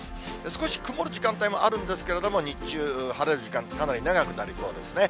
少し曇る時間帯もあるんですけれども、日中、晴れる時間、かなり長くなりそうですね。